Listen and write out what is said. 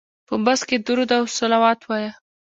په بس کې درود او صلوات وایه.